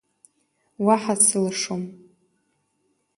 Уаҳа сылшом.